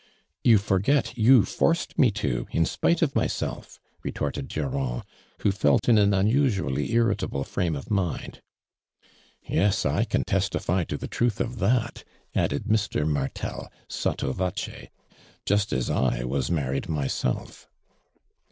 " You forget jou forced me to, in spite of myself," retorted Durand, who felt in an unusually irritable frame of mind. " Yes, I can testify to the truth of that," added Mr. Martel, .lotto voce, " lust as I was mariied myself!